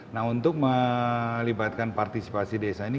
nah untuk melibatkan partisipasi desa ini